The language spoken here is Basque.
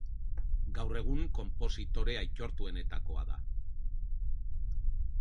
Gaur egun, konpositore aitortuenekoa da.